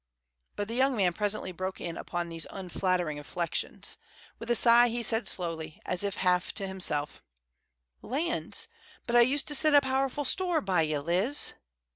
But the young man presently broke in upon these unflattering reflections. With a sigh he said slowly, as if half to himself, "Lands, but I used to set a powerful store by ye, Liz!"